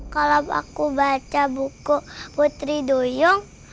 kalau aku baca buku putri duyung